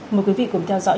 mời quý vị cùng theo dõi